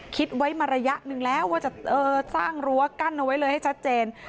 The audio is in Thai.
คิดไว้มาระยะหนึ่งแล้วว่าจะสร้างรั้วกั้นเอาไว้เลยให้ชัดเจน